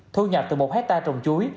thu nhập từ một hectare trồng chuối